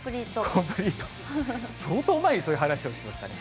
コンプリート、相当前にそういう話をしましたね。